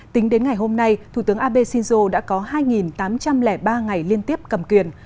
tính đến ngày hôm nay thủ tướng abe shinzo đã có hai tám trăm linh ba ngày liên tiếp cầm quyền